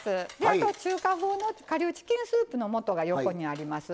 あと中華風の顆粒チキンスープの素が横にあります。